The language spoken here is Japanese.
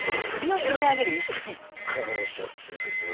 感謝するぞ。